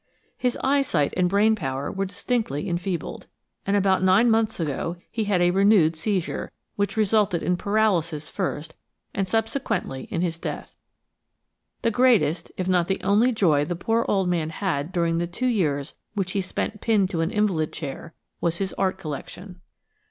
His eyesight and brain power were distinctly enfeebled, and about nine months ago he had a renewed seizure, which resulted in paralysis first, and subsequently in his death. The greatest, if not the only, joy the poor old man had during the two years which he spent pinned to an invalid chair was his art collection.